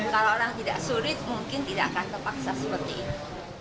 kalau orang tidak sulit mungkin tidak akan terpaksa seperti itu